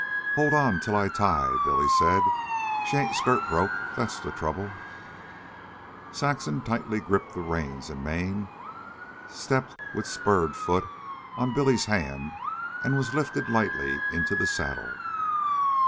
"Hold on till I tie," Billy said. "She ain't skirt broke, that's the trouble." Saxon tightly gripped reins and mane, stepped with spurred foot on Billy's hand, and was lifted lightly into the saddle.